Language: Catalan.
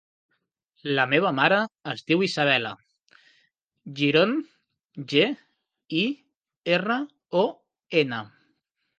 La meva mare es diu Isabella Giron: ge, i, erra, o, ena.